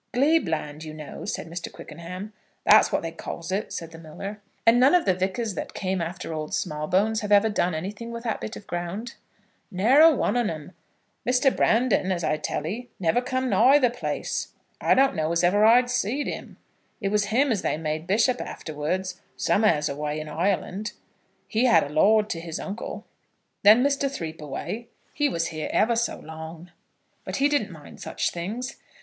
"Glebe land, you know," said Mr. Quickenham. "That's what they calls it," said the miller. "And none of the vicars that came after old Smallbones have ever done anything with that bit of ground?" "Ne'er a one on'em. Mr. Brandon, as I tell 'ee, never come nigh the place. I don't know as ever I see'd him. It was him as they made bishop afterwards, some'eres away in Ireland. He had a lord to his uncle. Then Muster Threepaway, he was here ever so long." "But he didn't mind such things."